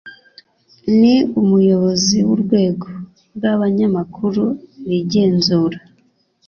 Ni umuyobozi w'Urwego rw'Abanyamakuru bigenzura